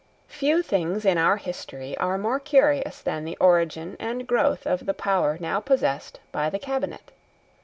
Few things in our history are more curious than the origin and growth of the power now possessed by the Cabinet.